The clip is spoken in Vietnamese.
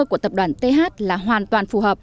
của tập đoàn th là hoàn toàn phù hợp